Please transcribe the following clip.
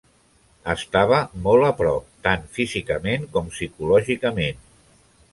Estava molt a prop, tant físicament com psicològicament.